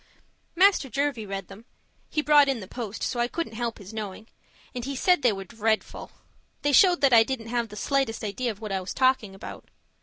Master Jervie read them he brought in the post, so I couldn't help his knowing and he said they were DREADFUL. They showed that I didn't have the slightest idea of what I was talking about.